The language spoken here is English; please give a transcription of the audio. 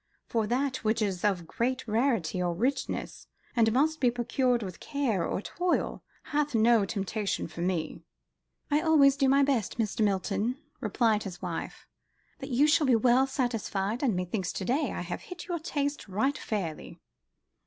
For that which is of great rarity or richness, and must be procured with care or toil, hath no temptation for me." "I do always my best, Mr. Milton," replied his wife, "that you shall be well satisfied: and methinks to day I have hit your taste right fairly."